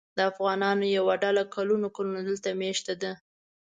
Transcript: د افغانانو یوه ډله کلونه کلونه دلته مېشته ده.